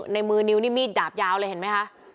ในมือนิ้วนี่มีดดาบยาวเลยเห็นไหมคะ